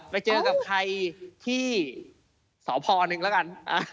ไปเจอกับใครที่สพนึงแล้วกัน